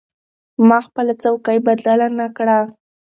ما خپله څوکۍ بدله نه کړه.